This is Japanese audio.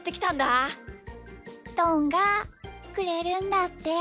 どんがくれるんだって。